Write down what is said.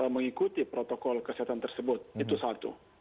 mengikuti protokol kesehatan tersebut itu satu